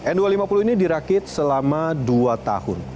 n dua ratus lima puluh ini dirakit selama dua tahun